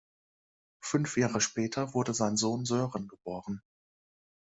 Fünf Jahre später wurde sein Sohn Sören geboren.